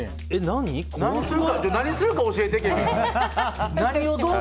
何するか教えて、ケビン。